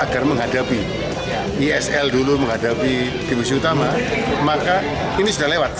yang diperoleh oleh ketua umum pssi jatim